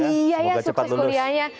iya ya sukses kuliahnya